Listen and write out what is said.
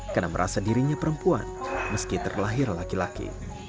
karena merasa dirinya perempuan meski terlahir laki laki